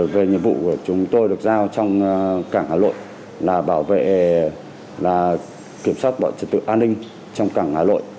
về nhiệm vụ của chúng tôi được giao trong cảng hà nội là bảo vệ kiểm soát trật tự an ninh trong cảng hà lội